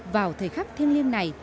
vào thời khắc thiên liêng này